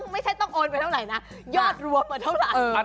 ไม่ใช่ต้องโอนไปเท่าไหร่นะยอดรวมมาเท่าไหร่